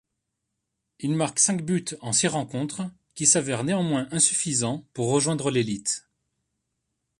Il marque cinq buts en six rencontres, qui s'avèrent néanmoins insuffisants pour rejoindre l'élite.